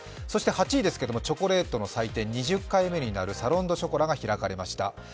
そして８位ですけれども、チョコレートの祭典、２０回目になる、サロン・デュ・ショコラが開かれました。